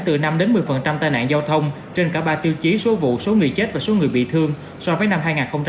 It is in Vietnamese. bốn mươi tai nạn giao thông trên cả ba tiêu chí số vụ số người chết và số người bị thương so với năm hai nghìn hai mươi hai